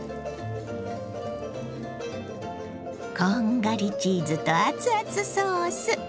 こんがりチーズと熱々ソース。